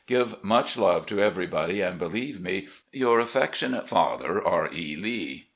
Give much love to everybody, and believe me, " Your affectionate father, "R. E. Lee."